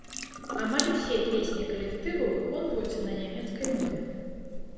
Амаль усе песні калектыву выконваюцца на нямецкай мове.